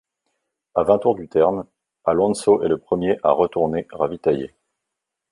À vingt tours du terme, Alonso est le premier à retourner ravitailler.